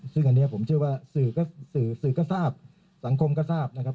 ซึ่งอันนี้ผมเชื่อว่าสื่อก็ทราบสังคมก็ทราบนะครับ